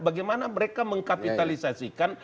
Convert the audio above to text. bagaimana mereka mengkapitalisasikan